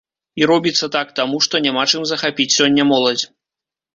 І робіцца так таму, што няма чым захапіць сёння моладзь.